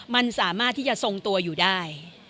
มันสามารถที่จะทรงตัวอยู่ได้